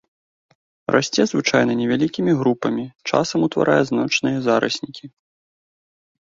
Расце звычайна невялікімі групамі, часам утварае значныя зараснікі.